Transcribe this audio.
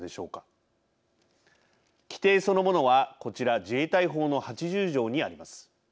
規定そのものはこちら自衛隊法の８０条にあります。